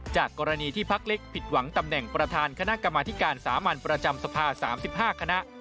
จากกรณีที่พักเล็กผิดหวังตำแหน่งประธานคณะกรรมธิการสามัญประจำสภา๓๕คณะ